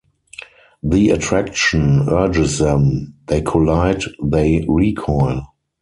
The attraction urges them. They collide, they recoil.